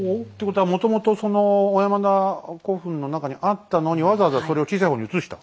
ことはもともとその小山田古墳の中にあったのにわざわざそれを小さい方に移した？